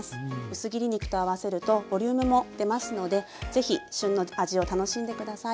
薄切り肉と合わせるとボリュームも出ますのでぜひ旬の味を楽しんで下さい。